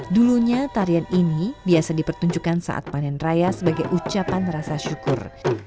dulunya tarian ini biasa dipertunjukkan saat panen raya sebagai ucapan rasa syukur